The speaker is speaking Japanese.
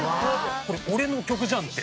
「これ俺の曲じゃん」って。